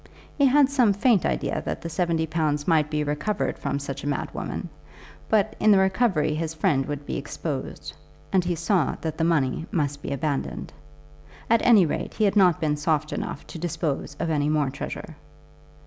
He had some faint idea that the seventy pounds might be recovered from such a madwoman; but in the recovery his friend would be exposed, and he saw that the money must be abandoned. At any rate, he had not been soft enough to dispose of any more treasure.